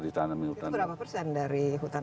ditanami hutan berapa persen dari hutan